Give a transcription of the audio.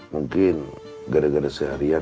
mungkin gara gara seharian